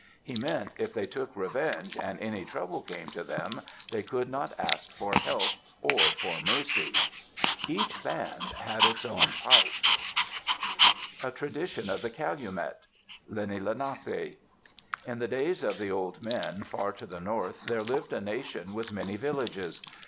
He meant if they took revenge and any trouble came to them, they could not ask for help or for mercy. Each band had its own pipe. A TRADITION OF THE CALUMET Lenni Lenapi In the days of the old men, far to the north there lived a nation with many villages.